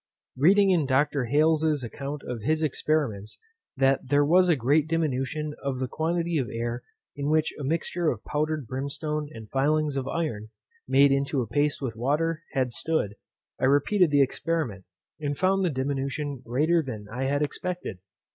_ Reading in Dr. Hales's account of his experiments, that there was a great diminution of the quantity of air in which a mixture of powdered brimstone and filings of iron, made into a paste with water, had stood, I repeated the experiment, and found the diminution greater than I had expected.